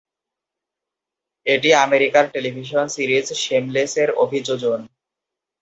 এটি আমেরিকার television series "শেমলেস"র অভিযোজন।